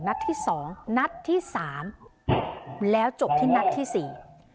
นัดที่สองนัดที่สามแล้วจบที่นัดที่สี่